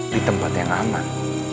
di tempat yang aman